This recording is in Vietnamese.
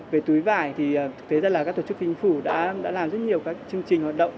về túi vải thì thực tế ra là các tổ chức kinh phủ đã làm rất nhiều các chương trình hoạt động